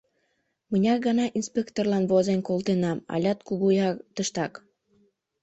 Мыняр гана инспекторлан возен колтенам, алят Кугуяр тыштак.